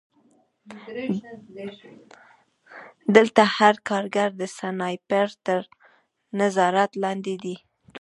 دلته هر کارګر د سنایپر تر نظارت لاندې دی